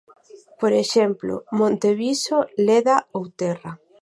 Por exemplo, Monteviso, Leda ou Terra.